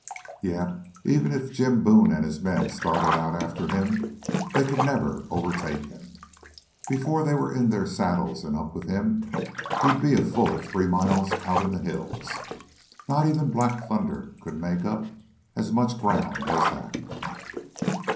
Yet even if Jim Boone and his men started out after him they could never overtake him. Before they were in their saddles and up with him, he'd be a full three miles out in the hills. Not even black Thunder could make up as much ground as that.